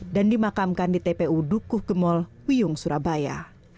dan dimakamkan di tpu dukuh gemol kuyung surabaya